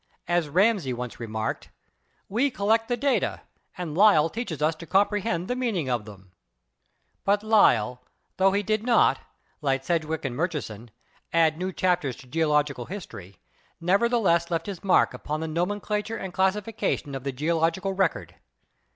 As Ramsay once remarked, "We collect the data and Lyell teaches us to comprehend the meaning of them." But Lyell, tho he did not, like Sedgwick and Murchison, add new chapters to geological history, nevertheless left his mark upon the nomenclature and classification of the geological record.